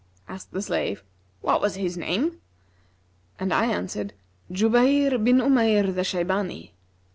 Asked the slave, 'What was his name?'; and I answered, 'Jubayr bin Umayr the Shaybani.'